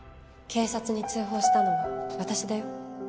警察に通報したのは私だよ。